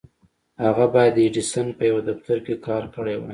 هغه بايد د ايډېسن په يوه دفتر کې کار کړی وای.